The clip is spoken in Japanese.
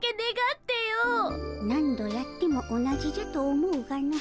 何度やっても同じじゃと思うがの。